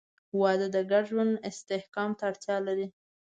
• واده د ګډ ژوند استحکام ته اړتیا لري.